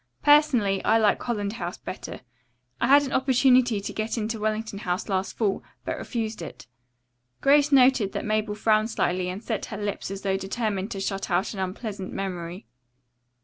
Personally, I like Holland House better. I had an opportunity to get into Wellington House last fall, but refused it." Grace noted that Mabel frowned slightly and set her lips as though determined to shut out an unpleasant memory.